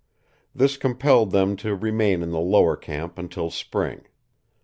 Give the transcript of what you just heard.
This compelled them to remain in the lower camp until spring.